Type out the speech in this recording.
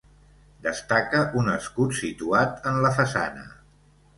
Destaca un escut situat en la façana.